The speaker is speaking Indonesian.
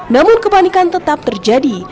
namun kepanikan tetap terjadi